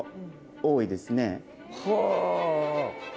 はあ。